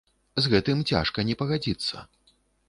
З гэтым цяжка не пагадзіцца.